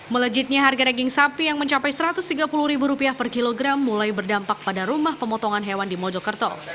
melejitnya harga daging sapi yang mencapai rp satu ratus tiga puluh per kilogram mulai berdampak pada rumah pemotongan hewan di mojokerto